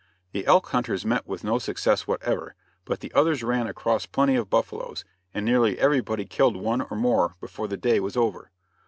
The elk hunters met with no success whatever, but the others ran across plenty of buffaloes, and nearly everybody killed one or more before the day was over.